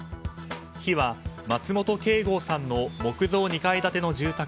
火は松本啓豪さんの木造２階建ての住宅